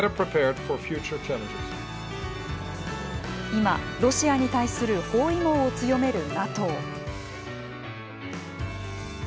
今、ロシアに対する包囲網を強めるＮＡＴＯ。